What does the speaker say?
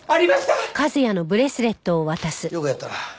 よくやった。